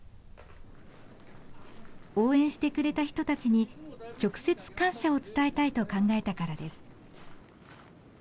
応援してくれた人たちに直接感謝を伝えたいと考えたからです。